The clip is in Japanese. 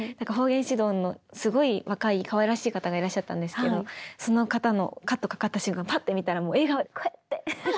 方言指導のすごい若いかわいらしい方がいらっしゃったんですけどその方のカットかかった瞬間パッて見たらもう笑顔でこうやって。